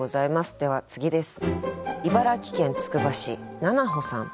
では次です。